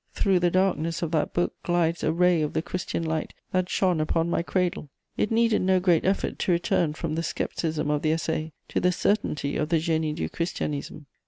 Through the darkness of that book glides a ray of the Christian light that shone upon my cradle. It needed no great effort to return from the scepticism of the Essai to the certainty of the _Génie du Christianisme.